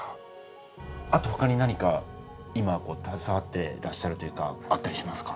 あとほかに何か今携わっていらっしゃるというかあったりしますか？